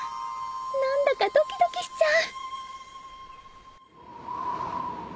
何だかドキドキしちゃう。